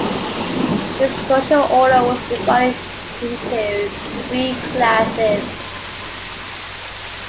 This social order was divided into three classes.